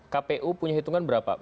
kpu punya hitungan berapa